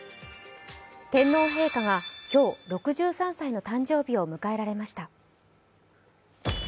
天皇陛下が今日、６３歳の誕生日を迎えられました。